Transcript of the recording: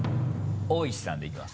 大石さんでいきます。